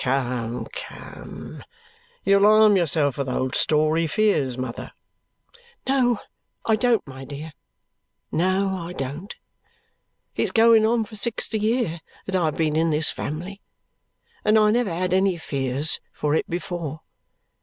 "Come, come! You alarm yourself with old story fears, mother." "No I don't, my dear. No I don't. It's going on for sixty year that I have been in this family, and I never had any fears for it before.